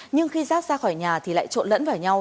nhưng khi rác ra khỏi nhà thì lại trộn lẫn vào nhau